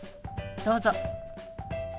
どうぞ。